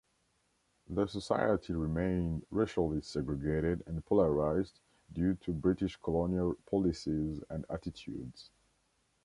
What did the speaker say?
The society remained racially segregated and polarised due to British colonial policies and attitudes.